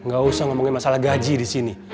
gak usah ngomongin masalah gaji di sini